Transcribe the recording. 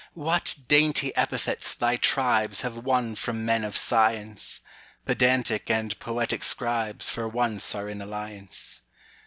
What dainty epithets thy tribesHave won from men of science! Pedantic and poetic scribesFor once are in alliance.